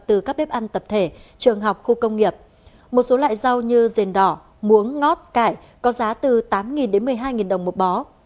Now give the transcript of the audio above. từ các bếp ăn tập thể trường học khu công nghiệp một số loại rau như rền đỏ muống ngót cải có giá từ tám đến một mươi hai đồng một bó